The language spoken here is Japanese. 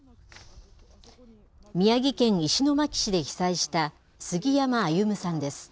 宮城県石巻市で被災した杉山歩夢さんです。